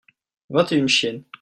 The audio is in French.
vingt et une chiennes.